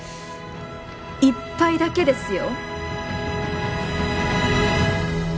１杯だけですよ。